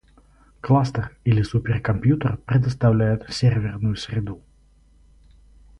Кластер или суперкомпьютер предоставляют серверную среду